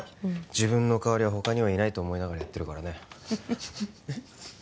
自分の代わりは他にはいないと思いながらやってるからね